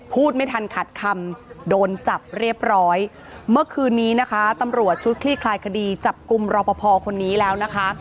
พูดไม่ทันขัดคำโดนจับเรียบร้อยเมื่อคืนนี้นะคะตำรวจชุดคลี่คลายคดีจับกลุ่มรอปภคนนี้แล้วนะคะ